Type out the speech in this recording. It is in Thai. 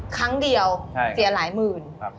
ครั้งเดียวเสียหลายหมื่นใช่ครับ